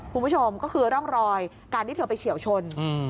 คุณผู้ชมก็คือร่องรอยการที่เธอไปเฉียวชน